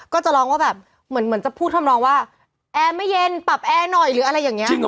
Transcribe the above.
ก็จะร้องว่าแบบเหมือนจะพูดทำนองว่าแอร์ไม่เย็นปรับแอร์หน่อยหรืออะไรอย่างนี้